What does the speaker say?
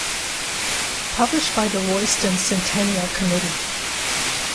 Published by the Royston Centennial Committee.